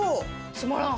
閉まらん。